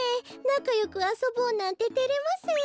なかよくあそぼうなんててれますよ。